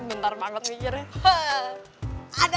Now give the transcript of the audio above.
bentar banget mikirnya